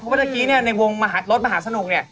เพราะว่าเมื่อกี้ในวงรถมหาสนุกนี่